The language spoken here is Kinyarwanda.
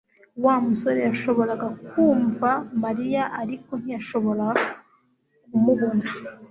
Wa musore yashoboraga kumva Mariya, ariko ntiyashobora kumubona